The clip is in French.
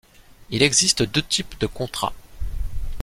Il existe deux types de contrat.